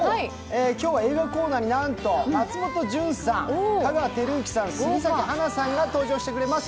今日は映画コーナーになんと、松本潤さん、香川照之さん、杉咲花さんが登場してくれます。